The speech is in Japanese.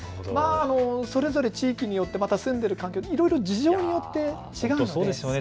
それぞれ地域によってまた住んでいる環境によって事情によって違うんですよね。